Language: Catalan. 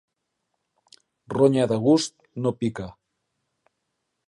Ronya de gust no pica.